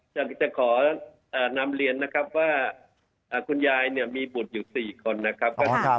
จะขอนำเรียนนะครับว่าคุณยายเนี่ยมีบุตรอยู่๔คนนะครับ